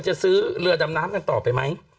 จะซื้อเรือดำน้ำกันต่อไปไหม